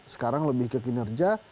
sekarang lebih ke kinerja